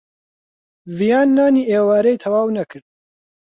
ڤیان نانی ئێوارەی تەواو نەکرد.